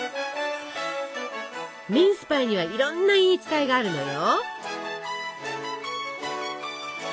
ミンスパイにはいろんな言い伝えがあるのよ。